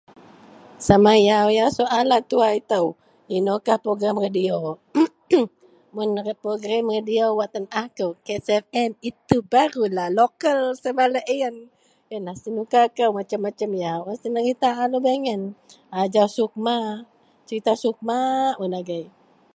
Sama yau-yau soalan tuwa itou. Inoukah perogerem radiyo? Mun perogerem radiyo wak tenaah kou itou.. .. [unintelligible] itu barulah lokal sama laei a yen. Yenlah senuka kou macem-macem yau wak senerita a lubeang yen. Ajau SUKMA, serita SUKMA un agei.